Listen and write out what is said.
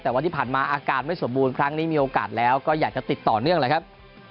แต่ว่าที่ผ่านมาอาการไม่สมบูรณ์ครั้งนี้มีโอกาสแล้วก็อยากจะติดต่อเนื่องแหละครับ